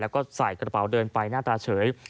แล้วก็ใส่กระเป๋าเดินไปหน้าตาเฉย